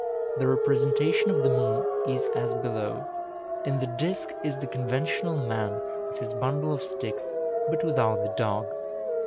The representation of the moon is as below; in the disk is the conventional man with his bundle of sticks, but without the dog.